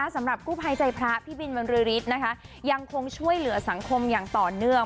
สำหรับกู้ภัยใจพระพี่บินบรรลือฤทธิ์นะคะยังคงช่วยเหลือสังคมอย่างต่อเนื่อง